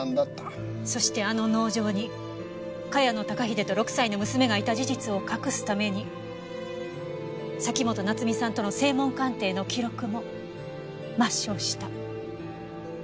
そしてあの農場に茅野孝英と６歳の娘がいた事実を隠すために崎本菜津美さんとの声紋鑑定の記録も抹消した。